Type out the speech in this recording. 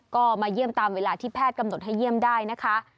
ก็มาเยี่ยมตามเวลาที่แพทย์กำหนดให้เยี่ยมได้นะคะ